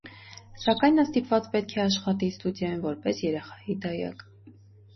Սակայն նա ստիպված պետք է աշխատի ստուդիայում որպես երեխայի դայակ։